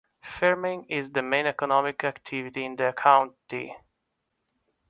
Farming is the main economic activity in the county.